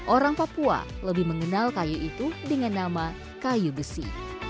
orang papua lebih mengenal kayu itu dengan nama kayu besi